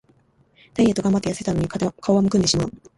ダイエットがんばってやせたのに顔はむくんでしまう